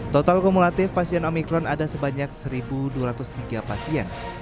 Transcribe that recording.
total kumulatif pasien omikron ada sebanyak satu dua ratus tiga pasien